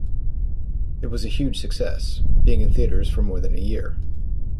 It was a huge success, being in theaters for more than a year.